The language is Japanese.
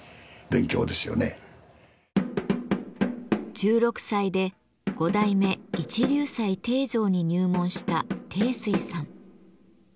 １６歳で五代目一龍斎貞丈に入門した貞水さん。